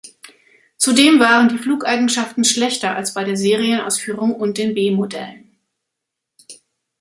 Zudem waren die Flugeigenschaften schlechter als bei der Serienausführung und den B-Modellen.